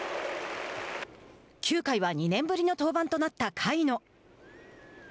９回は２年ぶりの登板となった甲斐野。